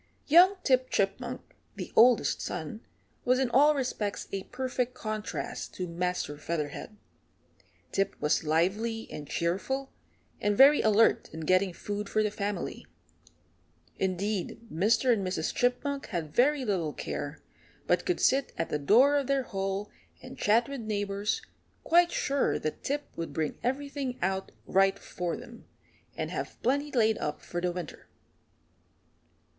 Young Tip Chipmunk, the oldest son, was in all respects a perfect contrast to Master Featherhead. Tip was lively and cheerful, and very alert in getting food for the family. Indeed, Mr. and Mrs. Chipmunk had very little care, but could sit at the door of their hole and chat with neighbours, quite sure that Tip would bring everything out right for them, and have plenty laid up for winter.